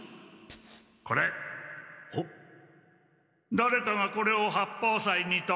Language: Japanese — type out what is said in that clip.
だれかが「これを八方斎に」と。